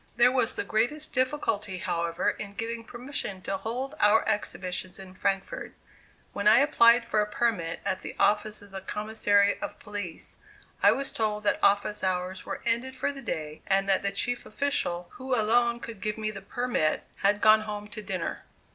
There was the greatest difficulty, however, in getting permission to hold our exhibitions in Frankfort. When I applied for a permit at the office of the Commissary of Police, I was told that office hours were ended for the day, and that the chief official, who alone could give me the permit, had gone home to dinner.